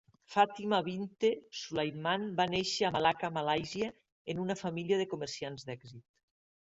Fatimah binte Sulaiman va néixer a Malacca, Malàisia, en una família de comerciants d'èxit.